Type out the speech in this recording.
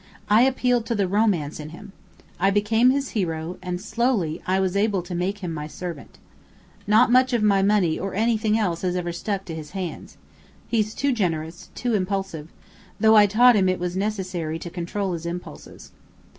I appealed to the romance in him. I became his hero and slowly I was able to make him my servant. Not much of my money or anything else has ever stuck to his hands. He's too generous too impulsive; though I taught him it was necessary to control his impulses.